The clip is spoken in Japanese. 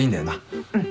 うん。